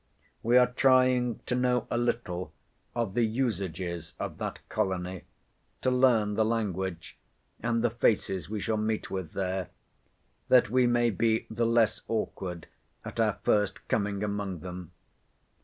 We are trying to know a little of the usages of that colony; to learn the language, and the faces we shall meet with there, that we may be the less awkward at our first coming among them.